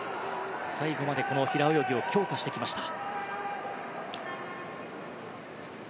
最後まで平泳ぎを強化してきました。